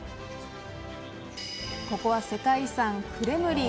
ここは世界遺産クレムリン。